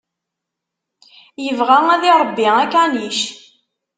Yebɣa ad iṛebbi akanic.